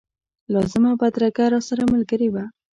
لازمه بدرګه راسره ملګرې وه.